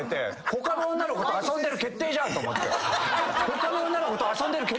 他の女の子と遊んでる決定じゃんと思って僕も。